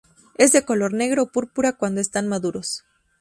Es de color negro o púrpura cuando están maduros.